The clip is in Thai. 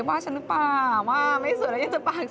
ว่าฉันหรือเปล่าว่าไม่สวยแล้วยังจะปากเสีย